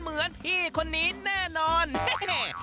เหมือนพี่คนนี้แน่นอนแม่